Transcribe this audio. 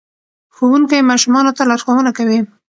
ښوونکی ماشومانو ته لارښوونه کوي.